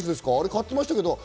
買ってましたけど。